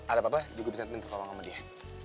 ada papa juga bisa minta tolong sama dia